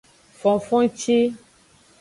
Fonfonci.